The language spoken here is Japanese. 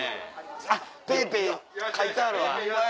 あっＰａｙＰａｙ書いてあるわ。